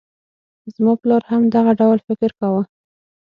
زما پلار هم دغه ډول فکر کاوه.